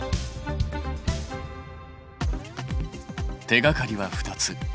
手がかりは２つ。